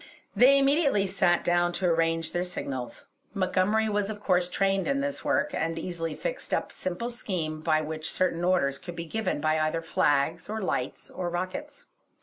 They immediately sat down to arrange their signals. Montgomery was of course trained in this work, and easily fixed up a simple scheme by which certain orders could be given by either flags, or lights, or rockets.